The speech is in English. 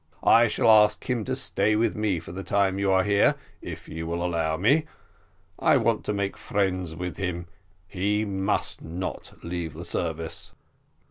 I shall ask him to stay with me for the time you are here, if you will allow me: I want to make friends with him; he must not leave the service."